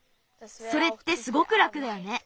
それってすごくらくだよね。